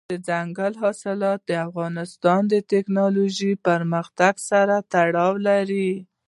دځنګل حاصلات د افغانستان د تکنالوژۍ پرمختګ سره تړاو لري.